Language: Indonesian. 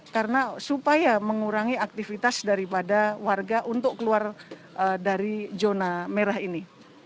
karena supaya mengurangi aktivitas daripada warga untuk keluar dari zona merah ini